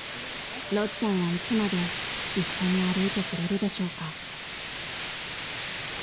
［ろっちゃんはいつまで一緒に歩いてくれるでしょうか］